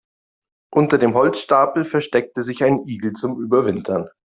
Unter dem Holzstapel versteckte sich ein Igel zum Überwintern.